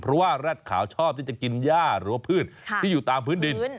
เพราะว่าแร็ดขาวชอบที่จะกินย่าหรือว่าพืชที่อยู่ตามพื้นดิน